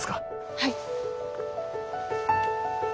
はい。